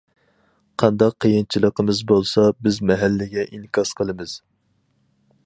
قانداق قىيىنچىلىقىمىز بولسا بىز مەھەللىگە ئىنكاس قىلىمىز.